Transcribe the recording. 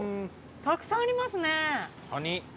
たくさんありますね。